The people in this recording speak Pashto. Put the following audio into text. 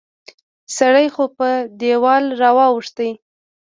سړی خو په دیوال را واوښت